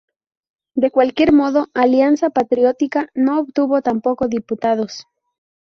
De cualquier modo, Alianza Patriótica no obtuvo tampoco diputados.